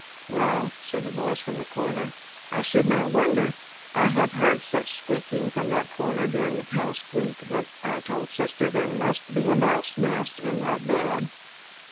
"Well," said the voice from the corner, "I should not wonder. I have heard such squeaking from that corner during the past week that I told sister there must be a mouse nest in that bed."